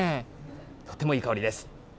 とってもいい香りです。